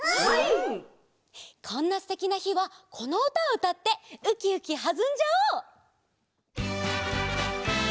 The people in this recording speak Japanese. こんなすてきなひはこのうたをうたってウキウキはずんじゃおう！